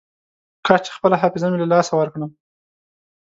کاش چې خپله حافظه مې له لاسه ورکړم.